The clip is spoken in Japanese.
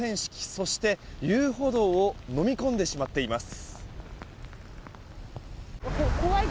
そして遊歩道をのみ込んでしまっています。